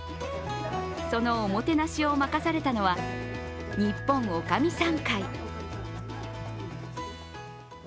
そのおもてなしを任されたのはニッポンおかみさん会。